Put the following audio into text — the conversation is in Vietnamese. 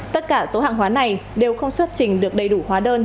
tất cả số hàng hóa này đều không xuất trình được đầy đủ hóa đơn